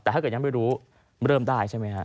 แต่ถ้าเกิดยังไม่รู้เริ่มได้ใช่ไหมฮะ